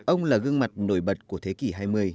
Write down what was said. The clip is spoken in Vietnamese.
ông là gương mặt nổi bật của thế kỷ hai mươi